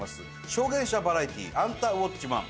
『証言者バラエティアンタウォッチマン！』